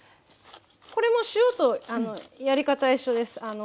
これも塩とやり方は一緒です。